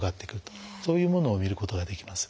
そういうものを見ることができます。